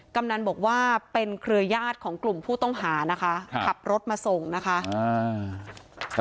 กำนันบอกว่าเป็นเครือญาติของกลุ่มผู้ต้องหานะคะขับรถมาส่งนะคะ